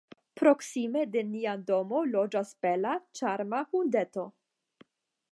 Proksime de nia domo loĝas bela, ĉarma, hundeto.